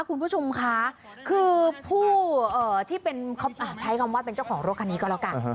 คุณผู้ชมคะคือผู้ที่เป็นใช้คำว่าเป็นเจ้าของรถคันนี้ก็แล้วกัน